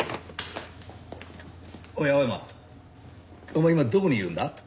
お前今どこにいるんだ？